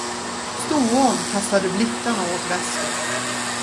Storån kastade blickarna åt väster.